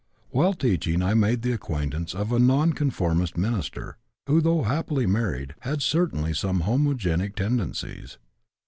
"While teaching I made the acquaintance of a non conformist minister, who, though happily married, had certainly some homogenic tendencies.